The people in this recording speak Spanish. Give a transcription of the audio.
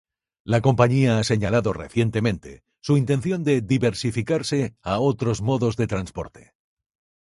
La compañía ha señalado recientemente su intención de diversificarse a otros modos de transporte.